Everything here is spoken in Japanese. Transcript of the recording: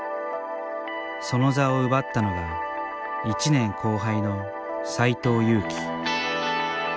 その座を奪ったのが１年後輩の斎藤佑樹。